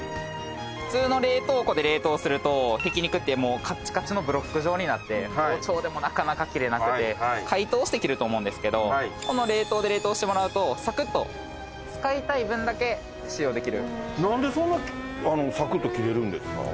普通の冷凍庫で冷凍するとひき肉ってもうカチカチのブロック状になって包丁でもなかなか切れなくて解凍して切ると思うんですけどこの冷凍で冷凍してもらうとサクッと使いたい分だけ使用できる。